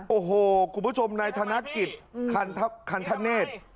โอ้โหคุณผู้ชมในธนักกิจคันทะเนส